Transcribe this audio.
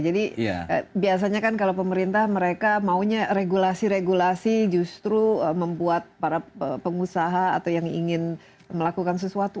jadi biasanya kan kalau pemerintah mereka maunya regulasi regulasi justru membuat para pengusaha atau yang ingin melakukan sesuatu